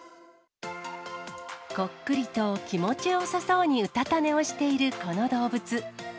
こっくりと気持ちよさそうにうたた寝をしているこの動物。